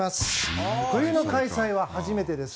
冬の開催は初めてです。